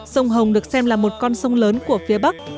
sông hồng được xem là một con sông lớn của phía bắc